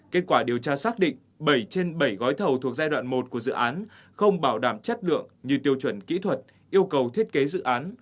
kết quả điều tra xác định bảy trên bảy gói thầu thuộc giai đoạn một của dự án không bảo đảm chất lượng như tiêu chuẩn kỹ thuật yêu cầu thiết kế dự án